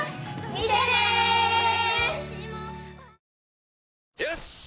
見てね！よしっ！